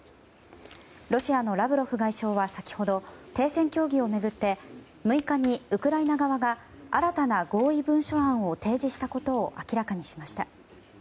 ロシアのラブロフ外相は先ほど、停戦協議を巡って６日にウクライナ側が新たな合意文書案を提示したことを明らかにしました。